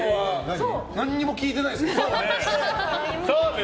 何も聞いてないですけど。